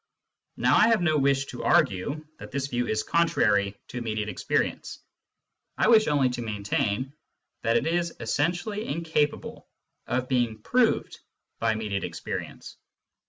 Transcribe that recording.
Now I have no wish to argue that this view is contrary to immediate experience : I wish only to maintain that it is essentially incapable of being proved by immediate experience.